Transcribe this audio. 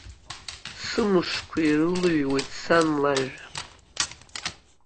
Сымшқәа ирылыҩуеит сан лажәа.